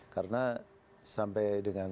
karena sampai dengan